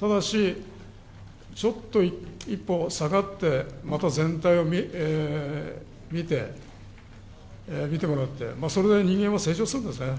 ただし、ちょっと一歩下がって、また全体を見て、見てもらって、それなりに人間は成長するんですね。